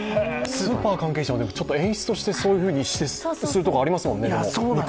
スーパーの関係者も演出として、そういうことをするところありますもんね。